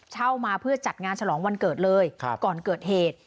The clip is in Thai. เช่ามาเพื่อจัดงานฉลองวันเกิดเลยก่อนเกิดเหตุ